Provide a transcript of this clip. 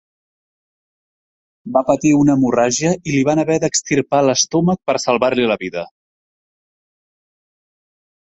Va patir una hemorràgia i li van haver d'extirpar l'estómac per salvar-li la vida.